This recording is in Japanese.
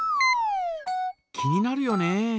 気になるよね。